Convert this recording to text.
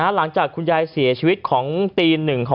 หลังจากคุณยายเสียชีวิตค่ะ